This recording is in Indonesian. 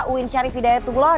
uin syarif hidayatullah